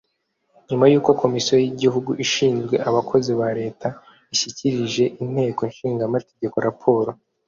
nyuma y uko komisiyo y igihugu ishinzwe abakozi ba leta ishyikirije inteko ishinga amategeko raporo